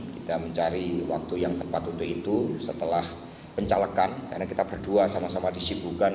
kita mencari waktu yang tepat untuk itu setelah pencalekan karena kita berdua sama sama disibukan